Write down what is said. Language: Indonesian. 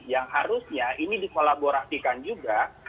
yang harusnya ini dikolaborasikan juga